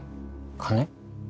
金？